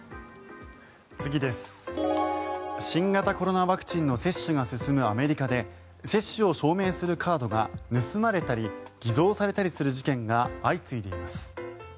新型コロナワクチンの接種が進むアメリカで接種を証明するカードが盗まれたり偽造されたりする事件が相次いでいます。